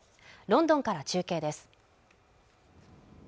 ロンドンから中継です